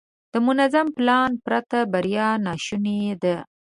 د منظم پلان پرته بریا ناشونې ده.